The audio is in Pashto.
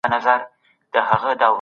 تګلاره بايد روښانه وي.